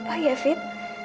oh ya fit